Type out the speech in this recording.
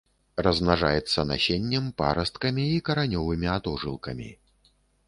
Размнажаецца насеннем, парасткамі і каранёвымі атожылкамі.